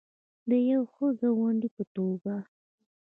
د یو ښه ګاونډي په توګه.